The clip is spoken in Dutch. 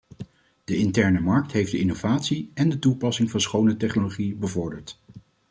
De interne markt heeft de innovatie en de toepassing van schone technologie bevorderd.